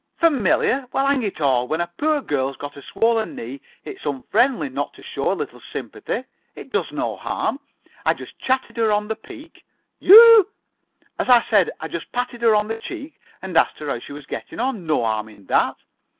"Familiar? Well, hang it all, when a poor girl's got a swollen knee it's unfriendly not to show a little sympathy. It does no harm. I just chatted her on the peak——" "You——?" "As I said, I just patted her on the cheek, and asked her how she was getting on. No harm in that."